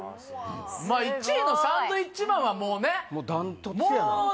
まあ１位のサンドウィッチマンはもうねもうダントツやん